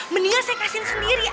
mendingan saya kasihin sendiri